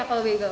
iya kalau bagel